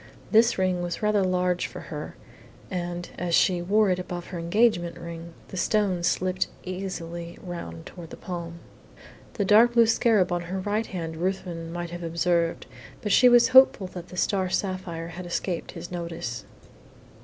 This ring was rather large for her, and as she wore it above the engagement ring, the stones easily slipped round toward the palm. The dark blue scarab on her right hand Ruthven might have observed; but she was hopeful that the star sapphire had escaped his notice.